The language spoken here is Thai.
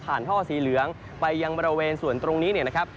ผ่านท่อสีเหลืองไปยังบริเวณส่วนตรงนี้นะครับ